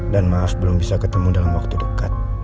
dan maaf belum bisa ketemu dalam waktu dekat